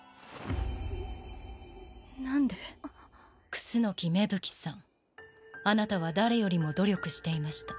楠芽吹さんあなたは誰よりも努力していました。